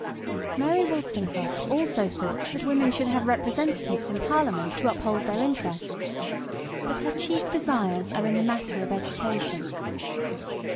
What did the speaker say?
Mary Wollstonecraft also thought that women should 8 MRS. SHELLEY. have representatives in Parliament to uphold their interests ; but her chief desires are in the matter of education.